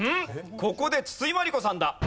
ここで筒井真理子さんだ。